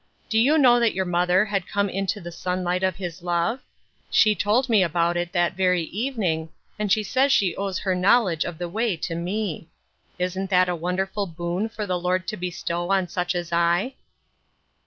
Did you know that your mother had come into the sunlight of His love ? She told me about it that ver}^ evening, and she says she owes her knowledge of the way to me. Isn't that a wonderful boon for the Lord to bestow on sucii as I